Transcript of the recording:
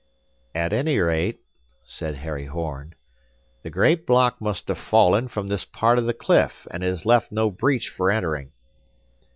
"At any rate," said Harry Horn, "the great block must have fallen from this part of the cliff; and it has left no breach for entering."